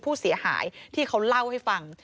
ผู้เสียหายที่เขาเล่าให้ฟัง